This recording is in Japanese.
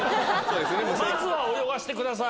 まずは泳がしてください。